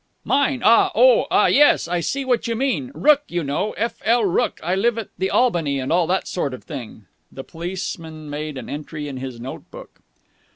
"Mine? Oh, ah, yes. I see what you mean. Rooke, you know. F. L. Rooke. I live at the Albany and all that sort of thing." The policeman made an entry in his note book.